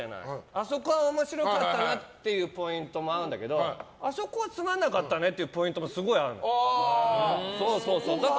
あそこは面白かったなっていうポイントもあるんだけどあそこはつまんなかったねっていうポイントもすごい合うの。